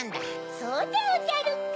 そうでおじゃるか。